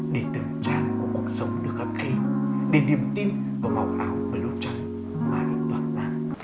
để tưởng trang một cuộc sống được khắc khí để niềm tin vào màu ảo màu trắng màu toàn bản